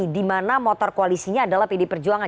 di mana motor koalisinya adalah pd perjuangan